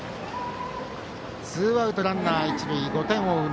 ツーアウトランナー、一塁５点を追う